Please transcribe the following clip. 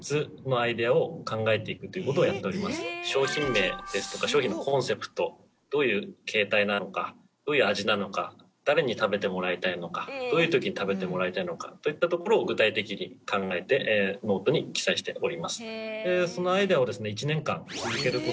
商品名ですとか商品のコンセプトどういう形態なのかどういう味なのか誰に食べてもらいたいのかどういう時に食べてもらいたいのかといったところを具体的に考えてノートに記載しております。